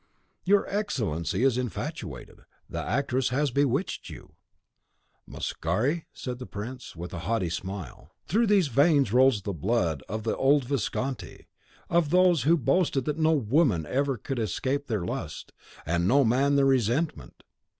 "Your Excellency is infatuated; the actress has bewitched you." "Mascari," said the prince, with a haughty smile, "through these veins rolls the blood of the old Visconti of those who boasted that no woman ever escaped their lust, and no man their resentment.